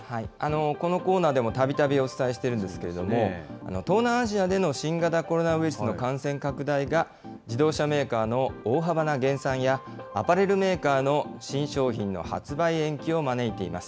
このコーナーでもたびたびお伝えしてるんですけれども、東南アジアでの新型コロナウイルスの感染拡大が、自動車メーカーの大幅な減産や、アパレルメーカーの新商品の発売延期を招いています。